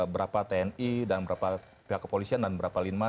berapa tni dan berapa pihak kepolisian dan berapa lima